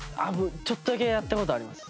ちょっとだけやった事あります。